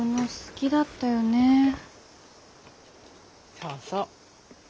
そうそう。